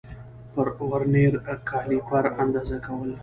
پر ورنیر کالیپر اندازه کول